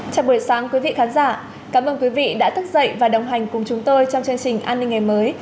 chào buổi sáng quý vị khán giả cảm ơn quý vị đã thức dậy và đồng hành cùng chúng tôi trong chương trình an ninh ngày mới